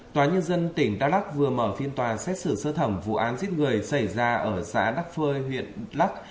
tòa nhân dân tỉnh đắk lắc vừa mở phiên tòa xét xử sơ thẩm vụ án giết người xảy ra ở xã đắc phơi huyện lắc